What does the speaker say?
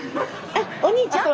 あお兄ちゃん？